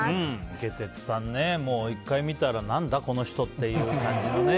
イケテツさんね、１回見たら何だ、この人っていう感じのね。